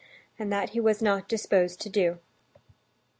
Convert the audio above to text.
And that he was not disposed to do.